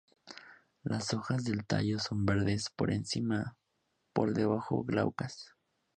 Las hojas del tallo son verdes por encima, por debajo glaucas.